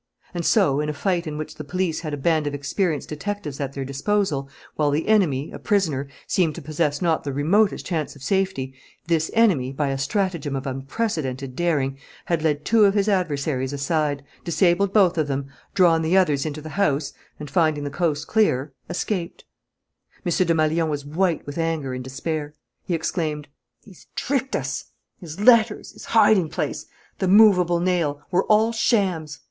And so, in a fight in which the police had a band of experienced detectives at their disposal, while the enemy, a prisoner, seemed to possess not the remotest chance of safety, this enemy, by a strategem of unprecedented daring, had led two of his adversaries aside, disabled both of them, drawn the others into the house and, finding the coast clear, escaped. M. Desmalions was white with anger and despair. He exclaimed: "He's tricked us! His letters, his hiding place, the movable nail, were all shams.